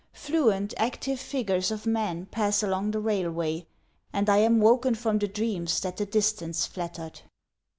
Fluent, active figures of men pass along the railway, and I am woken From the dreams that the distance flattered.